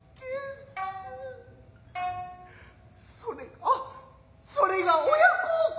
それがそれが親孝行か。